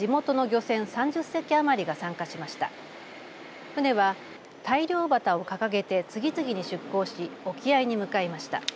船は大漁旗を掲げて次々に出向し沖合に向かいました。